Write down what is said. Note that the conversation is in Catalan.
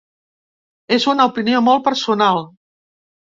És una opinió molt personal.